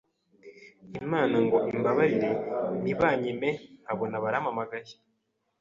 Imana ngo imbabarire ntibanyime, nkabona barampamagaye